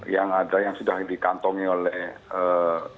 yang ada yang sudah dibiantshould